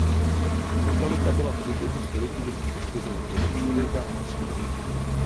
Lokalita byla v průběhu století dosti poškozena vlivem člověka a přírody.